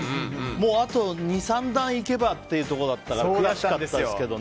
あと、２３段行けばというところでしたから悔しかったですけどね。